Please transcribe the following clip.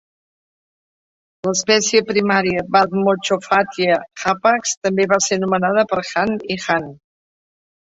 L'espècie primària, "Bathmochoffatia hapax", també va ser nomenada per Hahn i Hahn.